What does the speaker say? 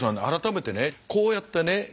改めてねこうやってね